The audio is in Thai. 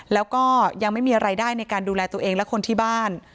แล้วก็ยังไม่มีรายได้ในการดูแลตัวเองและคนที่บ้าน